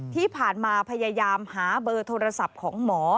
ที่ผ่านมาพยายามหาเบอร์โทรศัพท์ของหมอ